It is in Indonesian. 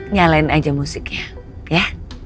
nyalain aja musiknya